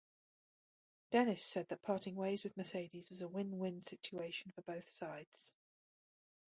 Dennis said that parting ways with Mercedes was a "win-win situation for both sides".